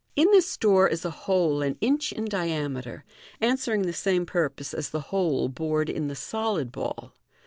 In this door is a hole an inch in diameter, answer ing the same purpose as the hole bored in the solid ball.